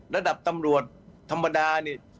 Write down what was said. ระดับตำรวจธรรมดานี่